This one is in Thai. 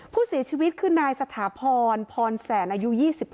ผู้เสียชีวิตคือนายสถาพรพรแสนอายุ๒๕